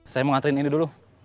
saya mau ngaturin ini dulu